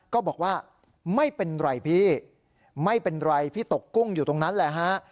ก็บอกว่าไม่เป็นไรพี่ไม่เป็นไรพี่ตกกุ้งอยู่ตรงนั้นแหละฮะ